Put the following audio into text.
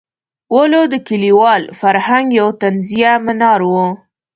ولو د کلیوال فرهنګ یو طنزیه منار وو.